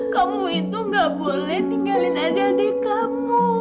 kamu itu gak boleh ninggalin adik adik kamu